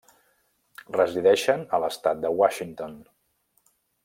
Resideixen a l'estat de Washington.